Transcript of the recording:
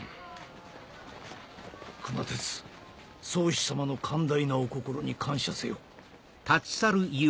熊徹宗師様の寛大なお心に感謝せよ。